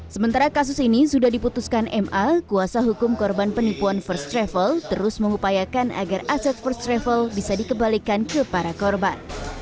sementara kasus ini sudah diputuskan ma kuasa hukum korban penipuan first travel terus mengupayakan agar aset first travel bisa dikembalikan ke para korban